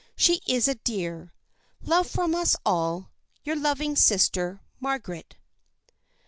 She is a dear. Love from us all. " Your loving sister, " Margaret."